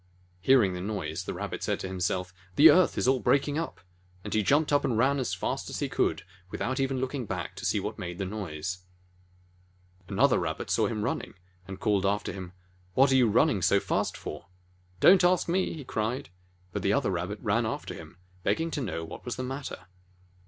Hearing the noise, the Rabbit said to himself: "The earth is all breaking up !" And he jumped up and ran just as fast as he could, without even looking back to see what made the noise. 39 He jumped up and ran. JATAKA TALES Another Rabbit saw him running, and called after him, "What are you running so fast for?" "Don't ask me !" he cried. But the other Rabbit ran after him, begging to know what was the matter.